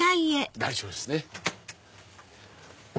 大丈夫ですね。